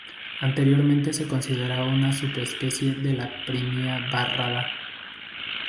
Anteriormente se consideraba una subespecie de la prinia barrada.